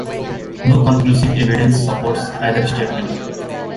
No conclusive evidence supports either statement.